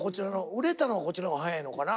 売れたのはこっちのが早いのかな？